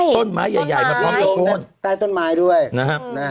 ต้นไม้ใหญ่มาพร้อมเกี่ยวกับคนได้ต้นไม้ด้วยนะครับ